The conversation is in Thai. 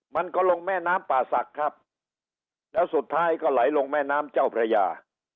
มันก็ลงแม่น้ำป่าศักดิ์ครับแล้วสุดท้ายก็ไหลลงแม่น้ำเจ้าพระยา